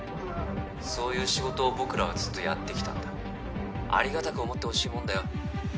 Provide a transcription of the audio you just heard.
そういう仕事を僕らはずっとやってきたんだありがたく思ってほしいもんだよ